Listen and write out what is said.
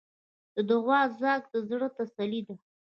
د دعا ځواک د زړۀ تسلي ده.